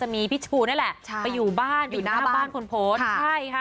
จะมีพี่ชูนั่นแหละไปอยู่บ้านอยู่หน้าบ้านคนโพสต์